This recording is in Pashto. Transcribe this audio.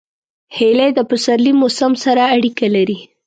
هیلۍ د پسرلي موسم سره اړیکه لري